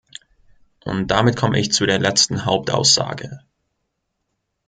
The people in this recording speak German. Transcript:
Und damit komme ich zu der letzten Hauptaussage.